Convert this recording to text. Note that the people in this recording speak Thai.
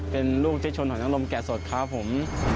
เป็นลูกเจชนหล่อจังรมแก่สดครับผม